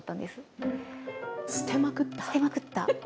捨てまくった。